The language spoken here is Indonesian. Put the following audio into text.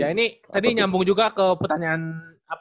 ya ini tadi nyambung juga ke pertanyaan apa ya pertanyaan sebelumnya